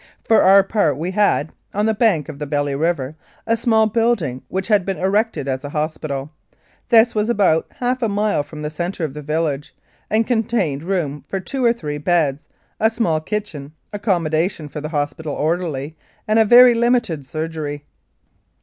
For our part we had, on the bank of the Belly River, a small building which had been erected as a hospital. This was about half a mile from the centre of the village, and contained room for two or three beds, a small kitchen, accommodation for the hospital orderly, and a very limited surgery.